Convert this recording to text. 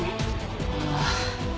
ああ。